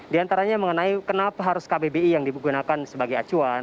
di antaranya mengenai kenapa harus kbbi yang digunakan sebagai acuan